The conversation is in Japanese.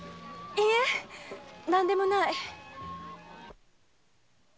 いいえ何でもない。